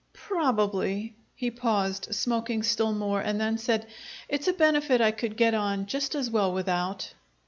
"Probably." He paused, smoking still more, and then said, "It's a benefit I could get on just as well without."